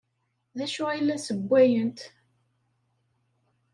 D acu ay la ssewwayent?